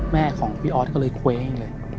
แม่ของพี่ออสก็เลยคุยให้เลย